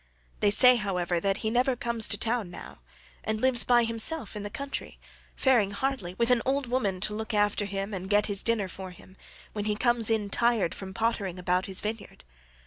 They say, however, that he never comes to town now, and lives by himself in the country, faring hardly, with an old woman to look after him and get his dinner for him, when he comes in tired from pottering about his vineyard.